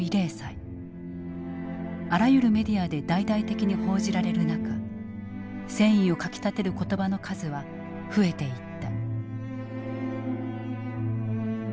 あらゆるメディアで大々的に報じられる中戦意をかきたてる言葉の数は増えていった。